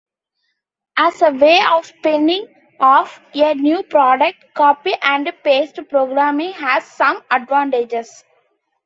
As a way of spinning-off a new product, copy-and-paste programming has some advantages.